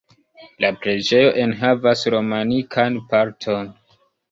La preĝejo enhavas romanikan parton.